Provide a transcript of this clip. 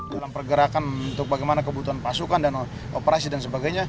dalam pergerakan untuk bagaimana kebutuhan pasukan dan operasi dan sebagainya